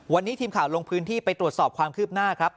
วันนี้ทีมข่าวลงพื้นที่ไปตรวจสอบความคืบหน้าครับ